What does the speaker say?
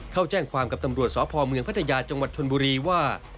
เข้าแจ้งความกับตำรวจสพพัทยาจชนบุรีว่า